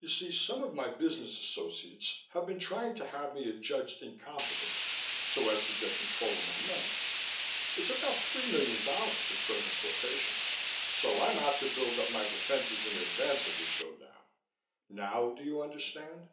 "You see, some of my business associates have been trying to have me adjudged incompetent so as to get control of my money. It's about three million dollars at present quotations. So I'm out to build up my defenses in advance of the show down. Now do you understand?"